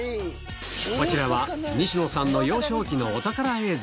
こちらは西野さんの幼少期のお宝映像。